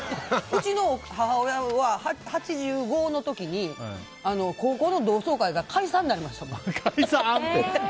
うちの母親は８５の時に高校の同窓会が解散なりましたもん。